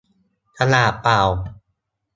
กระดาษเปล่า